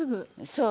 そう。